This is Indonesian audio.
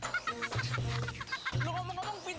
eh warga gang dangdut